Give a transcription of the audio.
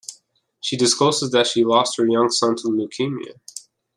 She discloses that she lost her young son to leukemia.